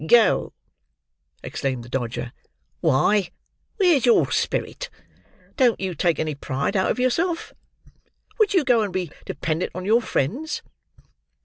"Go!" exclaimed the Dodger. "Why, where's your spirit? Don't you take any pride out of yourself? Would you go and be dependent on your friends?"